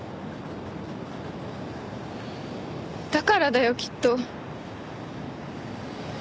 だからだよきっと。